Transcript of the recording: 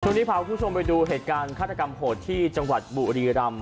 พาคุณผู้ชมไปดูเหตุการณ์ฆาตกรรมโหดที่จังหวัดบุรีรำ